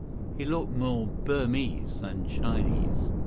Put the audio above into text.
He looked more Burmese than Chinese.